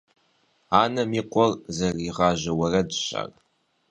Анэм и къуэр зэрыригъажьэ уэрэдщ ар.